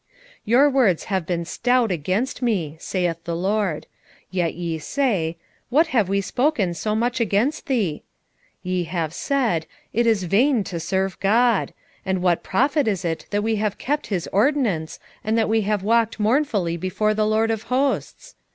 3:13 Your words have been stout against me, saith the LORD. Yet ye say, What have we spoken so much against thee? 3:14 Ye have said, It is vain to serve God: and what profit is it that we have kept his ordinance, and that we have walked mournfully before the LORD of hosts?